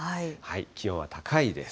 気温は高いです。